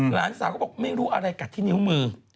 หลานสาวก็บอกไม่รู้อะไรกัดที่นิ้วมือ